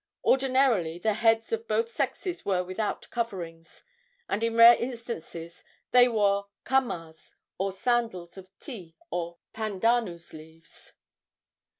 Ordinarily the heads of both sexes were without coverings, and in rare instances they wore kamaas, or sandals of ti or pandanus leaves.